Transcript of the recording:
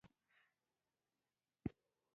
پړانګ د ښکار لپاره تر ټولو مناسب وخت ټاکي.